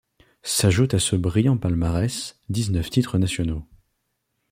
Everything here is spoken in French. S'ajoutent à ce brillant palmarès, dix-neuf titres nationaux.